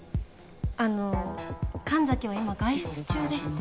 あの神崎は今外出中でして。